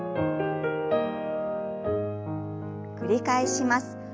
繰り返します。